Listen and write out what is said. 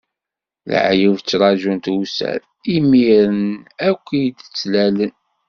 Leεyub ttraǧun tewser, imiren akk i d-ttlalen.